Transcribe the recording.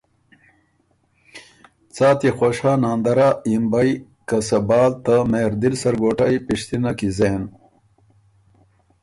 څا تيې خوش هۀ ناندرا یِمبئ! که صبال ته مهردل سرګوټئ پِشتِنه کی زېن؟“